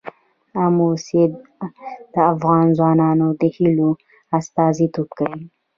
آمو سیند د افغان ځوانانو د هیلو استازیتوب کوي.